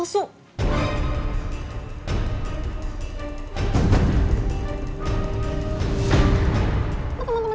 ibu yang ambil